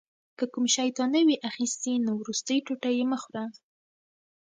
که کوم شی تا نه وي اخیستی نو وروستی ټوټه یې مه خوره.